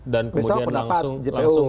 dan kemudian langsung